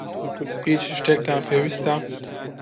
هیچ شتێکتان پێویستە؟